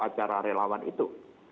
acara relawan itu